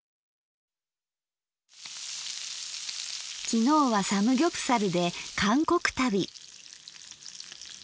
きのうはサムギョプサルで韓国旅。